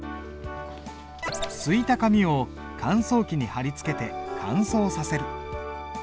漉いた紙を乾燥機に張り付けて乾燥させる。